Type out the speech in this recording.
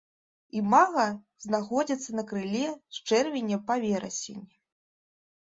Імага знаходзяцца на крыле з чэрвеня па верасень.